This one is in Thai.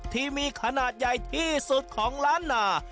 ที่มีขนาดใหญ่ที่สุดของล้านนา